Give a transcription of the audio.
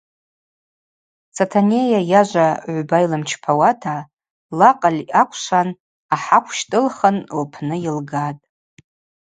Сатанейа йажва гӏвба йлымчпауата лакъыль аквшван ахӏахъв щтӏылхын лпны йылгатӏ.